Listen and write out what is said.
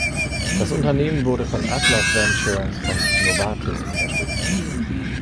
Das Unternehmen wurde von Atlas Venture und Novartis unterstützt.